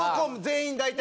全員大体？